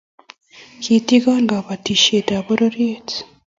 Ketikon kapatisiet ab pororiet